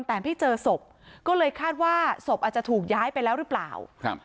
แต่ไม่เจอศพก็เลยคาดว่าศพอาจจะถูกย้ายไปแล้วหรือเปล่าครับ